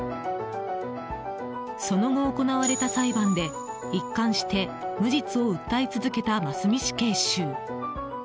その後行われた裁判で一貫して無実を訴え続けた真須美死刑囚。